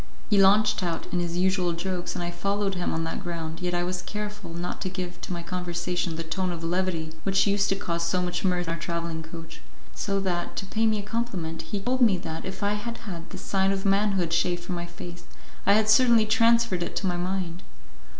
He launched out in his usual jokes, and I followed him on that ground, yet I was careful not to give to my conversation the tone of levity which used to cause so much mirth in our travelling coach; so that, to, pay me a compliment, he told me that, if I had had the sign of manhood shaved from my face, I had certainly transferred it to my mind.